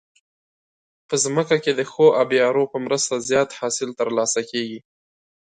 په ځمکه کې د ښه آبيارو په مرسته زیات حاصل ترلاسه کیږي.